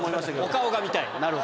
お顔が見たい。